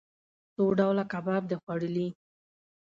څو ډوله کباب د خوړلئ؟